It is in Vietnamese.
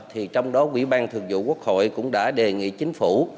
thì trong đó quỹ ban thường vụ quốc hội cũng đã đề nghị chính phủ